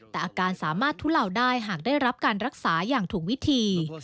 แต่อาการสามารถทุเลาได้หากได้รับการรักษาอย่างถูกวิธี